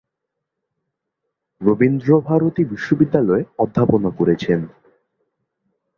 রবীন্দ্রভারতী বিশ্ববিদ্যালয়ে অধ্যাপনা করেছেন।